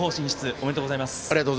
ありがとうございます。